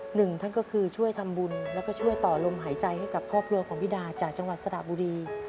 หนึ่งท่านก็คือช่วยทำบุญแล้วก็ช่วยต่อลมหายใจให้กับครอบครัวของพี่ดาจากจังหวัดสระบุรี